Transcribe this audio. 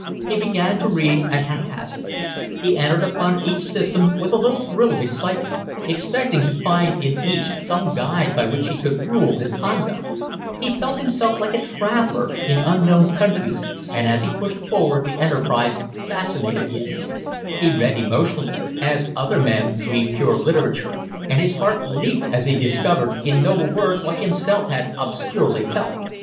He began to read at haphazard. He entered upon each system with a little thrill of excitement, expecting to find in each some guide by which he could rule his conduct; he felt himself like a traveller in unknown countries and as he pushed forward the enterprise fascinated him; he read emotionally, as other men read pure literature, and his heart leaped as he discovered in noble words what himself had obscurely felt.